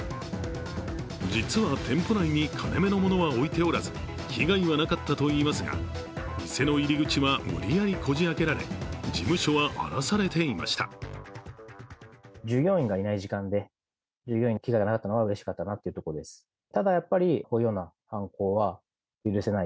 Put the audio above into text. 実は、店舗内に金目のものは置いておらず、被害はなかったといいますが店の入り口は無理やりこじあけられ事務所は荒らされていました。